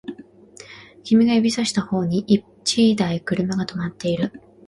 君が指差した方に一台車が止まっている